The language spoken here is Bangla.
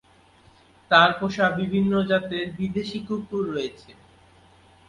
তার পোষা বিভিন্ন জাতের বিদেশি কুকুর রয়েছে।